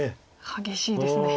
激しいですね。